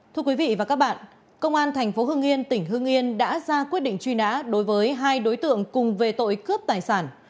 thưa quý vị và các bạn công an tp hương yên tỉnh hương yên đã ra quyết định truy nã đối với hai đối tượng cùng về tội cướp tài sản